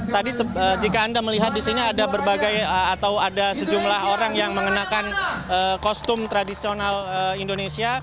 tadi jika anda melihat di sini ada berbagai atau ada sejumlah orang yang mengenakan kostum tradisional indonesia